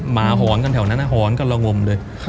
หอนกันแถวนั้นหอนกันละงมเลย